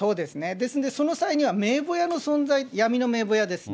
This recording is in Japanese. ですんで、その際には名簿屋の存在、闇の名簿屋ですね。